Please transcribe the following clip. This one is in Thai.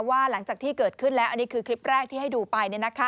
หลังจากที่เกิดขึ้นแล้วอันนี้คือคลิปแรกที่ให้ดูไป